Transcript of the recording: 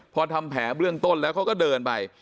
พอทำแผลเบื้องต้นแล้วเขาก็เดินไป